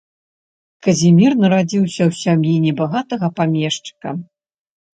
Казімір нарадзіўся ў сям'і небагатага памешчыка.